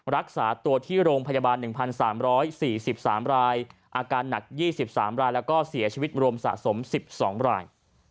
รักษาตัวที่โรงพยาบาล๑๓๔๓รายอาการหนัก๒๓รายแล้วก็เสียชีวิตรวมสะสม๑๒ราย